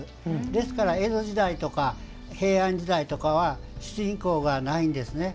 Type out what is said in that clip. ですから、江戸時代とか平安時代とかは主人公がないんですね。